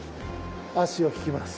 足を引きます。